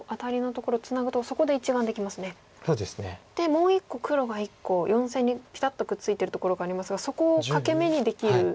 もう１個黒が１個４線にピタッとくっついてるところがありますがそこを欠け眼にできるんですね